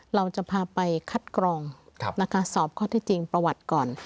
เราจะพาไปคัดกรองนะคะสอบข้อที่จริงประวัติก่อน